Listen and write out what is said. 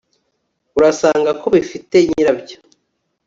urasanga ko bifite nyirabyo